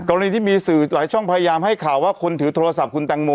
กรณีที่มีสื่อหลายช่องพยายามให้ข่าวว่าคนถือโทรศัพท์คุณแตงโม